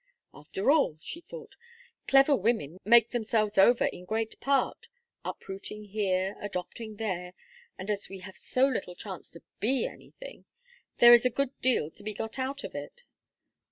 "After all," she thought, "clever women make themselves over in great part, uprooting here, adopting there, and as we have so little chance to be anything, there is a good deal to be got out of it.